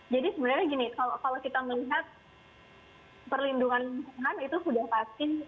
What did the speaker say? jadi sebenarnya gini kalau kita melihat perlindungan lingkungan itu sudah pasti